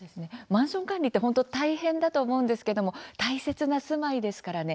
マンション管理って本当大変だと思うんですけれど大切な住まいですからね。